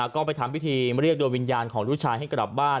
ก็ไปทำพิธีเรียกโดยวิญญาณของลูกชายให้กลับบ้าน